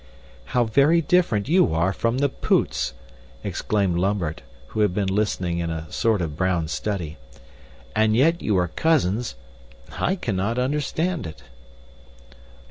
"How very different you are from the Poots!" exclaimed Lambert, who had been listening in a sort of brown study. "And yet you are cousins I cannot understand it."